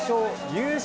優勝！